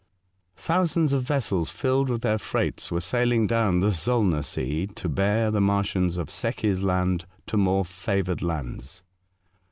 Thousands of vessels filled with their freights were sailing down the Zollner Sea to bear the Martians of Secchi's Land to more favoured lands.